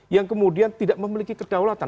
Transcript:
yang kemudian tidak memiliki kedaulatan